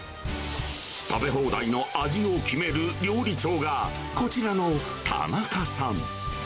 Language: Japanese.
食べ放題の味を決める料理長が、こちらの田中さん。